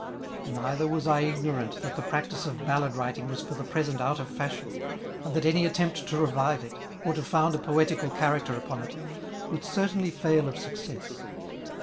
Neither was I ignorant that the practice of ballad writing was for the present out of fashion, and that any attempt to revive it, or to found a poetical character upon it, would certainly fail ^ of success.